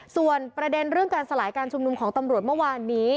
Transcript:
ส่วนประเด็นเรื่องการสลายการชุมนุมของตำรวจเมื่อวานนี้